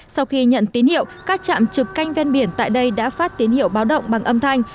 sau khi nhận tín hiệu các trạm trực canh ven biển tại đây đã phát tín hiệu báo động bằng âm thanh